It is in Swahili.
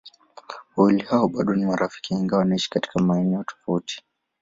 Wawili hao bado ni marafiki ingawa wanaishi katika maeneo tofauti.